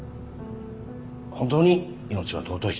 本当に命は尊い。